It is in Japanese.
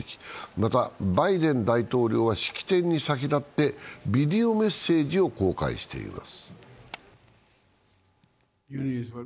また、バイデン大統領は式典に先立ってビデオメッセージを公開しています。